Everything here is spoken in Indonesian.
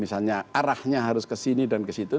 misalnya arahnya harus kesini dan kesitu